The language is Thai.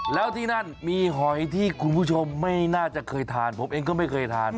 แล้วที่นั่นมีหอยที่คุณผู้ชมไม่น่าจะเคยทานผมเองก็ไม่เคยทาน